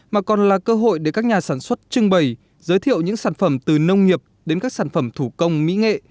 mà còn là cơ hội để các nhà sản xuất trưng bày giới thiệu những sản phẩm từ nông nghiệp đến các sản phẩm thủ công mỹ nghệ